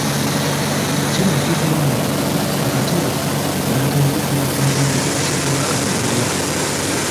Kinajjukirwa nti bakatebe baatandikira ku mulembe gwa Ssekabaka Ndawula.